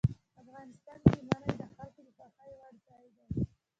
افغانستان کې منی د خلکو د خوښې وړ ځای دی.